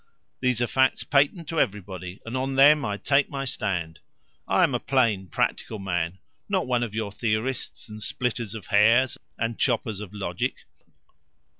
These are facts patent to everybody, and on them I take my stand. I am a plain practical man, not one of your theorists and splitters of hairs and choppers of logic.